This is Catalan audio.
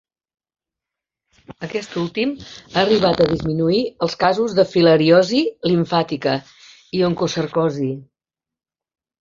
Aquest últim ha arribat a disminuir els casos de filariosi limfàtica i oncocercosi.